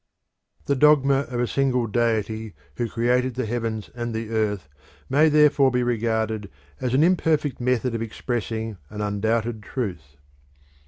The dogma of a single deity who created the heavens and the earth may therefore be regarded as an imperfect method of expressing an undoubted truth.